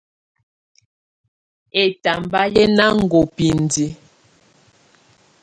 Ɛtamba yɛ ná ŋɔ́ bindiǝ́.